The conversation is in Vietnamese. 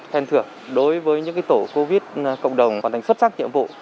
hèn thửa đối với những tổ covid cộng đồng hoàn thành xuất sắc nhiệm vụ